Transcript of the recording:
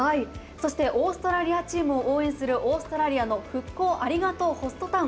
オーストラリアチームを応援するオーストラリアの復興ありがとうホストタウン